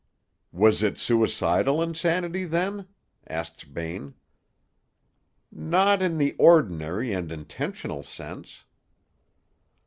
"Was it suicidal insanity, then?" asked Bain. "Not in the ordinary and intentional sense."